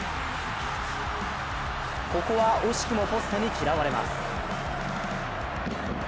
ここは惜しくもポストに嫌われます。